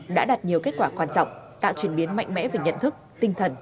đã đạt nhiều kết quả quan trọng tạo chuyển biến mạnh mẽ về nhận thức tinh thần